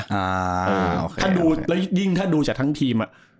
อ่าถ้าดูแล้วยิ่งถ้าดูจากทั้งทีมอ่ะ